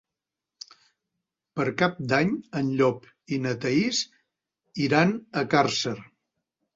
Per Cap d'Any en Llop i na Thaís iran a Càrcer.